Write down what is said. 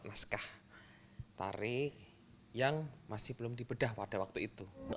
naskah tari yang masih belum dibedah pada waktu itu